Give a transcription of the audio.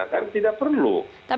tapi tidak perlu